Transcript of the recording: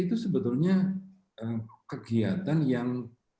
itu sebetulnya kegiatan yang